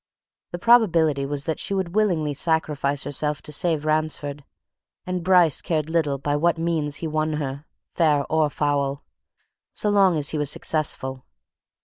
The probability was that she would willingly sacrifice herself to save Ransford and Bryce cared little by what means he won her, fair or foul, so long as he was successful.